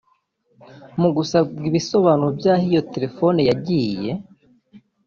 Mu gusabwa ibisobanuro by’aho iyi televiziyo yagiye